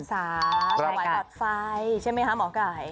ถวายเทียนสาถวายกับไฟใช่ไหมคะหมอไก่